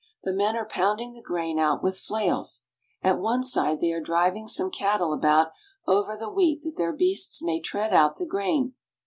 The men are pounding the grain out with flails. At one side they are driving some cattle about over the wheat that the beasts may tread out the grain.